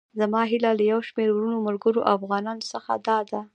زما هيله له يو شمېر وروڼو، ملګرو او افغانانو څخه داده.